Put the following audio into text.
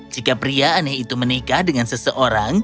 jika pria aneh itu menikah dengan seseorang